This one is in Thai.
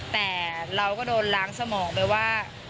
แต่เราก็โดนล้างสมองไปว่า